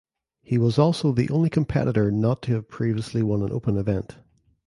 He was also the only competitor not to have previously won an open event.